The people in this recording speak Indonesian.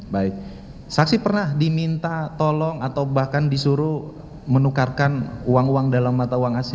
baik saksi pernah diminta tolong atau bahkan disuruh menukarkan uang uang dalam mata uang asli